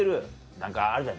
何かあるじゃん